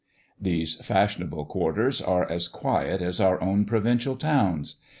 These fashionable quarters are as quiet as our own provincial towns.